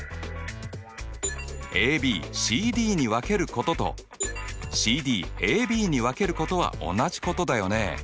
ＡＢＣＤに分けることとＣＤＡＢに分けることは同じことだよね。